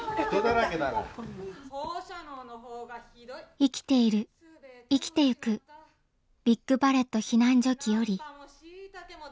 「生きている生きてゆくビッグパレット避難所記より」。